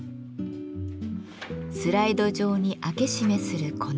スライド状に開け閉めするこの壁